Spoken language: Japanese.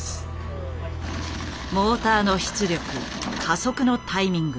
モーターの出力加速のタイミング